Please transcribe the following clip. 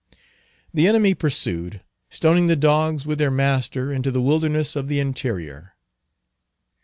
The enemy pursued, stoning the dogs with their master into the wilderness of the interior.